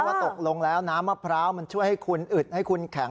ว่าตกลงแล้วน้ำมะพร้าวมันช่วยให้คุณอึดให้คุณแข็ง